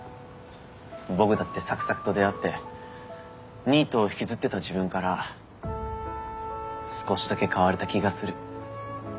僕だってサクサクと出会ってニートを引きずってた自分から少しだけ変われた気がする。